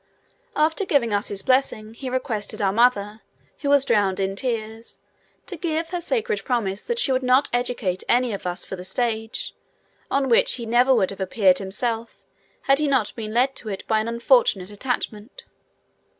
After giving us his blessing, he requested our mother, who was drowned in tears, to give her sacred promise that she would not educate any of us for the stage, on which he never would have appeared himself had he not been led to it by an unfortunate attachment.